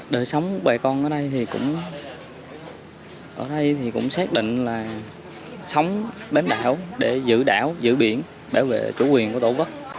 đời sống của bài con ở đây cũng xác định là sống bến đảo để giữ đảo giữ biển bảo vệ chủ quyền của tổ quốc